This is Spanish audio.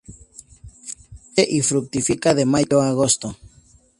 Florece y fructifica de Mayo a Agosto.